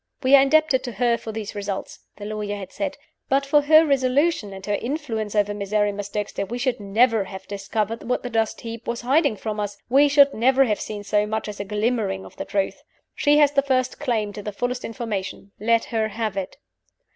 "We are indebted to her for these results," the lawyer had said. "But for her resolution; and her influence over Miserrimus Dexter, we should never have discovered what the dust heap was hiding from us we should never have seen so much as a glimmering of the truth. She has the first claim to the fullest information. Let her have it."